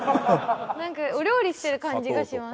なんかお料理してる感じがします。